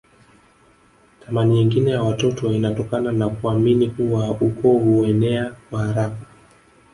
Thamani nyingine ya watoto inatokana na kuamini kuwa ukoo huenea kwa haraka